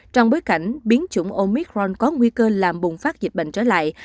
trong bối cảnh biến chủng omicron có nguy cơ làm bùng phát dịch bệnh trở lại